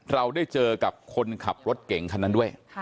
เราได้เจอกับคนขับรถเก่งคันนั้นด้วย